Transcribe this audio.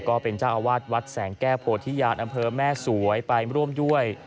ก็เป็นเจ้าอาวาสวัดแสงแก้วโพธิญาณอำเภอแม่สวยไปร่วมด้วย